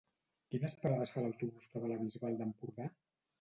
Quines parades fa l'autobús que va a la Bisbal d'Empordà?